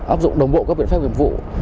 áp dụng đồng bộ các biện pháp hiệp vụ